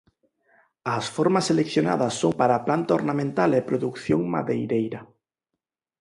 As formas seleccionadas son para planta ornamental e produción madeireira.